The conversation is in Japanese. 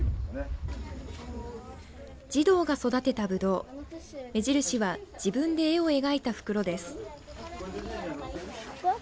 児童が育てたぶどう目印は自分で絵を描いた袋です。